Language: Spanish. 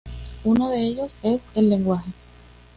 Uno de ellos es el lenguaje.